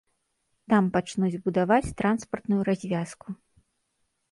Там пачнуць будаваць транспартную развязку.